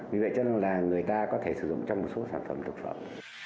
vì vậy cho nên là người ta có thể sử dụng trong một số sản phẩm thực phẩm